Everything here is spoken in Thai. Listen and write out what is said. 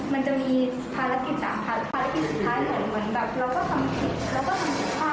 มันจะมีภารกิจ๓๐๐๐บาทภารกิจสุดท้ายเหมือนแบบเราก็ทำผิดแล้วก็ทำผิดผ้า